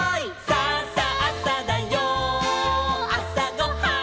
「さあさあさだよあさごはん」